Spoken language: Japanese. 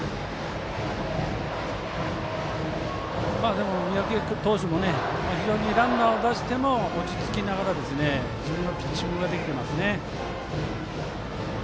でも、三宅投手も非常にランナーを出しても落ち着きながら、自分のピッチングができていますね。